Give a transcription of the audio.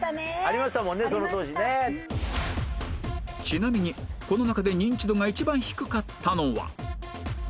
ちなみにこの中で認知度が一番低かったのは